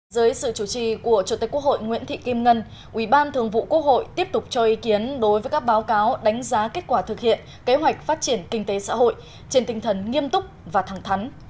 dưới sự chủ trì của chủ tịch quốc hội nguyễn thị kim ngân ủy ban thường vụ quốc hội tiếp tục cho ý kiến đối với các báo cáo đánh giá kết quả thực hiện kế hoạch phát triển kinh tế xã hội trên tinh thần nghiêm túc và thẳng thắn